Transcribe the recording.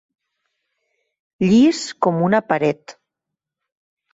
Llis com una paret.